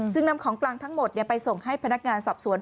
ซึ่งนำของกลางทั้งหมดไปส่งให้พนักงานสอบสวน